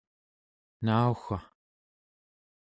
nauwa